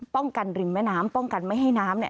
ป้องกันริมแม้น้ำป้องกันไม่ให้น้ำ